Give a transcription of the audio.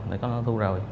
đã có nó thu rồi